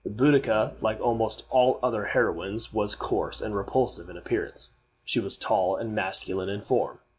Boadicea, like almost all other heroines, was coarse and repulsive in appearance. She was tall and masculine in form.